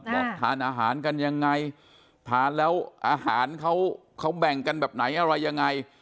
บอกทานอาหารกันยังไงทานแล้วอาหารเขาแบ่งกันแบบไหนอะไรยังไง